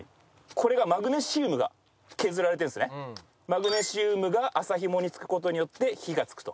これがマグネシウムが麻ひもにつく事によって火がつくと。